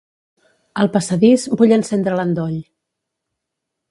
Al passadís, vull encendre l'endoll.